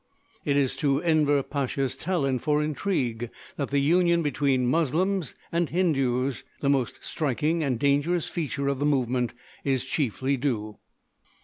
It is to Enver Pasha's talent for intrigue that the union between Moslems and Hindus, the most striking and dangerous feature of the movement, is chiefly due.